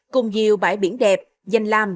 cùng nhiều bãi biển đẹp danh lam